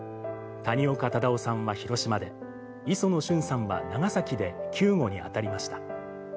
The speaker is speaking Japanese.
谷岡只雄さんは広島で、磯野駿さんは長崎で救護に当たりました。